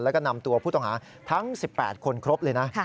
แล้วก็นำตัวผู้ต้องหาทั้ง๑๘คนครบเลยนะ